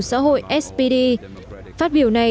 xã hội spd phát biểu này